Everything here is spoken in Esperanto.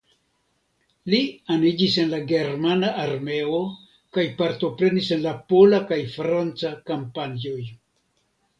Li aniĝis en la germana armeo kaj partoprenis en la pola kaj franca kampanjoj.